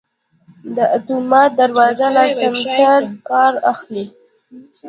دا اتومات دروازه له سنسر کار اخلي.